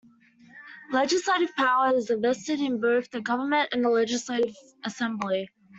Legislative power is vested in both the government and the Legislative Assembly.